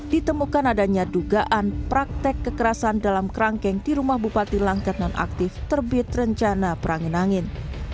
ditemukan adanya dugaan praktek kekerasan dalam kerangkeng di rumah bupati langkat nonaktif terbit rencana perangin angin